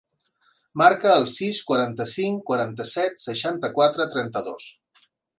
Marca el sis, quaranta-cinc, quaranta-set, seixanta-quatre, trenta-dos.